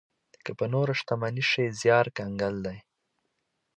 که په نوره شتمني شي زيار کنګال دی.